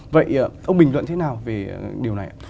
vậy ông bình luận thế nào về điều này ạ